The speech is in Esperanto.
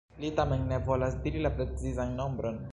Li tamen ne volas diri la precizan nombron.